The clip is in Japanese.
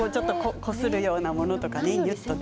こするようなものとかね。